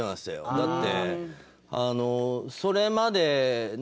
だって。